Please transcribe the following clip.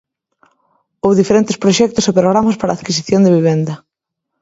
Ou diferentes proxectos e programas para a adquisición de vivenda.